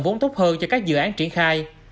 vốn tốt hơn cho các dự án triển khai